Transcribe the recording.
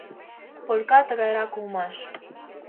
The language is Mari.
Полька тыгайрак улмаш.